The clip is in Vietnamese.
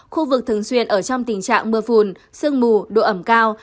khu vực thường xuyên ở trong tình trạng mưa phùn sương mù độ ẩm cao